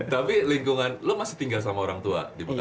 tapi lingkungan lo masih tinggal sama orang tua